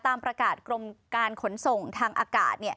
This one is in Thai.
ตามประกาศกรมการขนส่งทางอากาศ